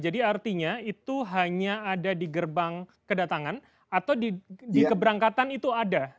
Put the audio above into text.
jadi artinya itu hanya ada di gerbang kedatangan atau di keberangkatan itu ada